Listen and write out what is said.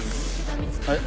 あれ？